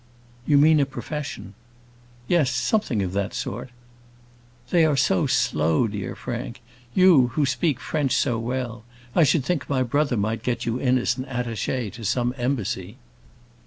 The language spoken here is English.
"You mean a profession." "Yes; something of that sort." "They are so slow, dear Frank. You, who speak French so well I should think my brother might get you in as attaché to some embassy."